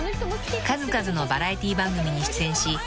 ［数々のバラエティー番組に出演し］